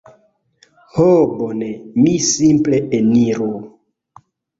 Ho bone... mi simple eniru...